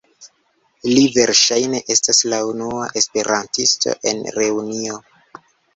Li verŝajne estas la unua esperantisto en Reunio.